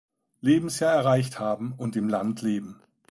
Lebensjahr erreicht haben und im Land leben.